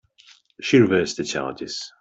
She reversed the charges.